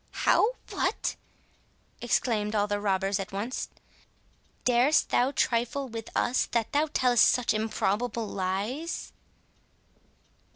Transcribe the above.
"How! what!" exclaimed all the robbers at once; "darest thou trifle with us, that thou tellest such improbable lies?"